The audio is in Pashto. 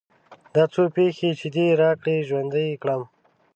دا څو پيسې چې دې راکړې؛ ژوندی يې کړم.